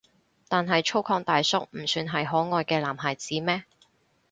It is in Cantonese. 但係粗獷大叔唔算係可愛嘅男孩子咩？